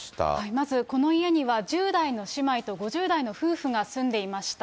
まずこの家には、１０代の姉妹と５０代の夫婦が住んでいました。